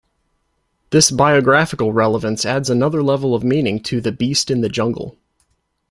This biographical relevance adds another level of meaning to The Beast in the Jungle.